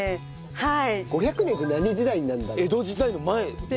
はい。